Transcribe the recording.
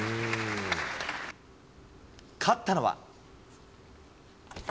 勝ったのは。